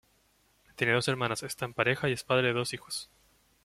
Tiene dos hermanas, está en pareja y es padre de dos hijos.